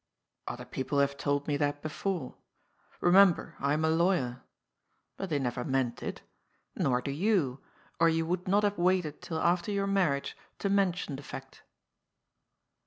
" Other people have told me that before. Bemember I am a lawyer. But they never meant it. Nor do you, or you would not have waited till after your marriage to men tion the fact."